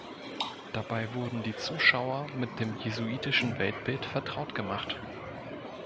Dabei wurden die Zuschauer mit dem jesuitischen Weltbild vertraut gemacht.